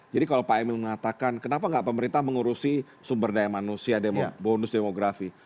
jadi kalau pak emil mengatakan kenapa gak pemerintah mengurusi sumber daya manusia bonus demografi